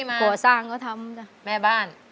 แม่บ้าน